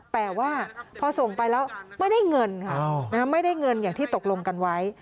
แต่ว่าพอส่งไปแล้วไม่ได้เงินค่ะไม่ได้เงินอย่างที่ตกลงกันไว้